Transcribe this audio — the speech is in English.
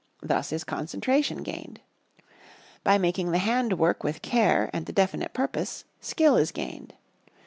Thus is Concentration gained. By making the hand work with care and a definite purpose, Skill is gained.